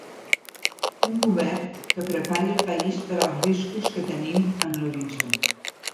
Un govern que prepari el país per als riscos que tenim en l’horitzó.